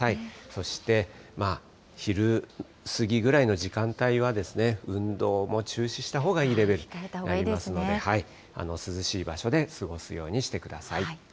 そして、まあ、昼過ぎぐらいの時間帯は、運動も中止したほうがいいレベルとなりますので、涼しい場所で過ごすようにしてください。